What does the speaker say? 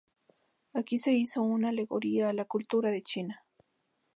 Aquí se hizo una alegoría a la cultura de China.